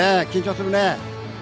緊張するね。